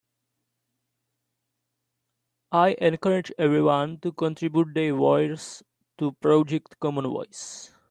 I encourage everyone to contribute their voice to Project Common Voice.